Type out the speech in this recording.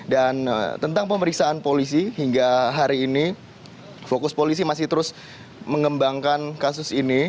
dan tentang pemeriksaan polisi hingga hari ini fokus polisi masih terus mengembangkan kasus ini